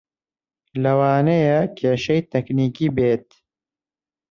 لەوانەیە کێشەی تەکنیکی بێت